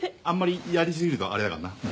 あんまりやり過ぎるとあれだからな。